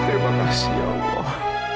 terima kasih allah